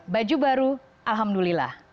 baju baru alhamdulillah